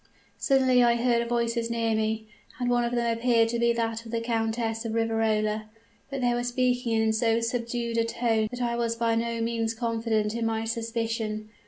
"Suddenly I heard voices near me; and one of them appeared to be that of the Countess of Riverola but they were speaking in so subdued a tone that I was by no means confident in my suspicion.